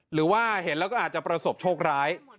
หรือว่าเห็นแล้วก็อาจจะประสบโชคร้าย